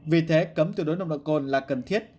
vì thế cấm tuyệt đối nồng độ cồn là cần thiết